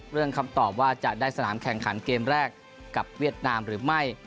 คำตอบว่าจะได้สนามแข่งขันเกมแรกกับเวียดนามหรือไม่